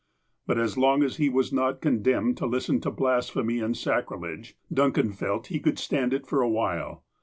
But, as long as he was not condemned to listen to blas phemy and sacrilege, Duncan felt he could stand it for a while.